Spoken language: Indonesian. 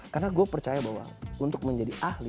karena gue percaya bahwa untuk menjadi ahli